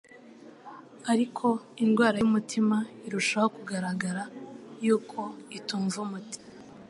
ariko indwara y'umutima irushaho kugaragara yuko itumva umuti,